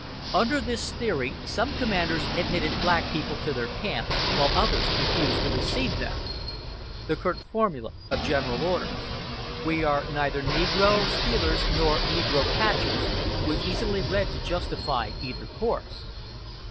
Under this theory some commanders admitted black people to their camps, while others refused to receive them. The curt formula of General Orders: "We are neither negro stealers nor negro catchers," was easily read to justify either course.